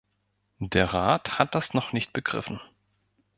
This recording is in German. Der Rat hat das noch nicht begriffen.